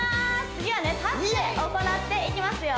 次はね立って行っていきますよ